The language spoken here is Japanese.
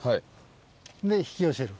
で引き寄せる。